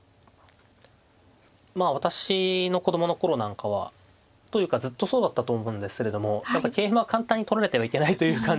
まあ私の子供の頃なんかはというかずっとそうだったと思うんですけれどもやっぱ桂馬は簡単に取られてはいけないという感じで。